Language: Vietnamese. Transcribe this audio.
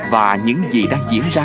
và những gì đã diễn ra